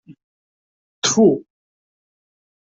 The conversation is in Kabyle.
Ttfu!